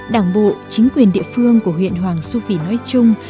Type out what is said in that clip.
đảng bộ chính quyền địa phương của huyện hoàng su phi nói chung